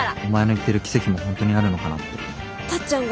お前の言ってる奇跡も本当にあるのかなって。